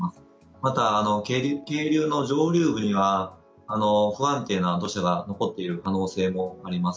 また、渓流の上流部には不安定な土砂が残っている可能性もあります。